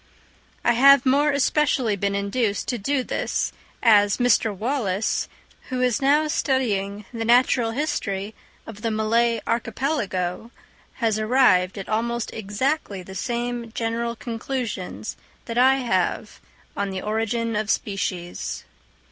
I have more especially been induced to do this, as Mr. Wallace, who is now studying the natural history of the Malay Archipelago, has arrived at almost exactly the same general conclusions that I have on the origin of species.